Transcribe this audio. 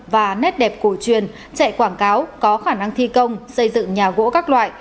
và nét đẹp cổ truyền chạy quảng cáo có khả năng thi công xây dựng nhà gỗ các loại